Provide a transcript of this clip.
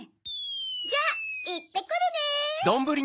じゃいってくるネ！